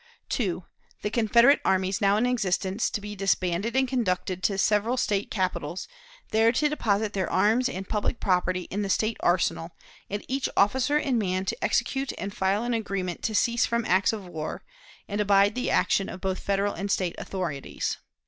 "2. The Confederate armies now in existence to be disbanded and conducted to the several State capitals, there to deposit their arms and public property in the State Arsenal, and each officer and man to execute and file an agreement to cease from acts of war, and abide the action of both Federal and State authorities.